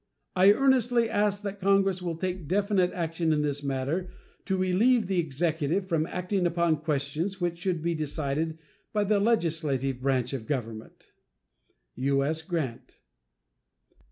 I earnestly ask that Congress will take definite action in this matter to relieve the Executive from acting upon questions which should be decided by the legislative branch of the Government. U.S. GRANT.